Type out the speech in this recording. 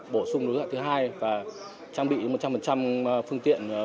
bổ sung đối thoại thứ hai và trang bị một trăm linh phương tiện